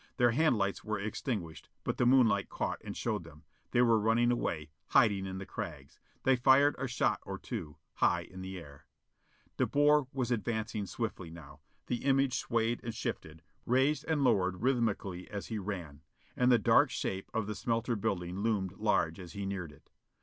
Their hand lights were extinguished, but the moonlight caught and showed them. They were running away; hiding in the crags. They fired a shot or two, high in the air. De Boer was advancing swiftly now. The image swayed and shifted, raised and lowered rhythmically as he ran. And the dark shape of the smelter building loomed large as he neared it.